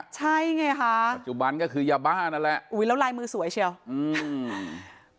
ใช่ไงคะปัจจุบันก็คือยาบ้านั่นแหละอุ้ยแล้วลายมือสวยเชียวอืม